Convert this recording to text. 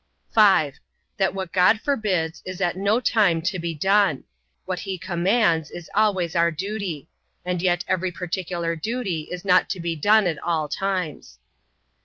5. That what God forbids, is at no time to be done; what he commands, is always our duty; and yet every particular duty is not to be done at all times.